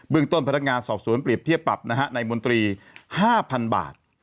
เบื้องต้นพนักงานสอบสวนเปรียบเทียบปรับนะฮะในมนตรีห้าพันบาท